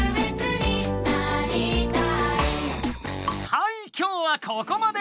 はい今日はここまで！